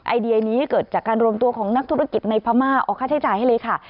ไอเดียนี้เกิดจากการรวมตัวของนักธุรกิจในพม่าออกค่าใช้จ่ายให้เลยค่ะ